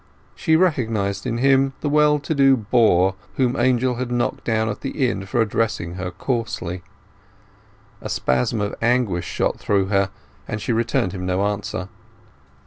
She recognized in him the well to do boor whom Angel had knocked down at the inn for addressing her coarsely. A spasm of anguish shot through her, and she returned him no answer.